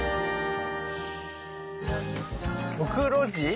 ムクロジ。